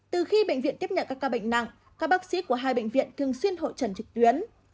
từ khi bệnh viện tiếp nhận các ca bệnh nặng các bác sĩ của hai bệnh viện thường xuyên hội trần trực tuyến